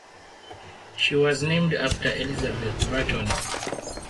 She was named after Elizabeth Barton.